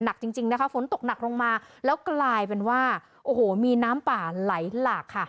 หนักจริงจริงนะคะฝนตกหนักลงมาแล้วกลายเป็นว่าโอ้โหมีน้ำป่าไหลหลากค่ะ